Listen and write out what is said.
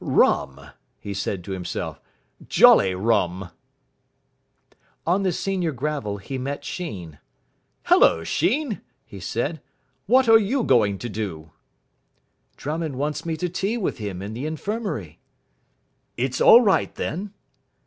"Rum!" he said to himself. "Jolly rum!" On the senior gravel he met Sheen. "Hullo, Sheen," he said, "what are you going to do?" "Drummond wants me to tea with him in the infirmary." "It's all right, then?"